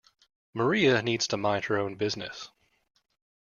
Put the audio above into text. Maria needs to mind her own business.